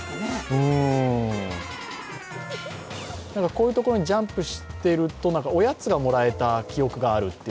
こういうところにジャンプしていると、おやつがもらえた記憶があると。